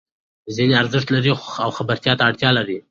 ځینې ارزښت لري او خبرتیا ته اړتیا لري.